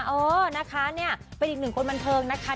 เออนะคะเนี่ยเป็นอีกหนึ่งคนบันเทิงนะคะ